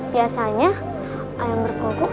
biasanya ayam berkobok